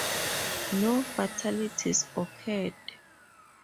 No fatalities occurred.